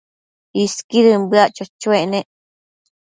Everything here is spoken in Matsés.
Isquidën bëac cho-choec nec